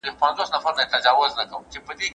زه پرون مېوې راټولې کړې!!